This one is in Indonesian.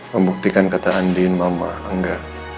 membuktikan kata andin mama angga